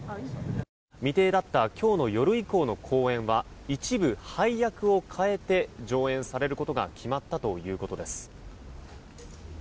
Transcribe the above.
未定だった今日の夜以降の公演は一部、配役を変えて上演されることが決まったということです。